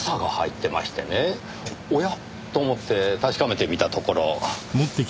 おや？と思って確かめてみたところ。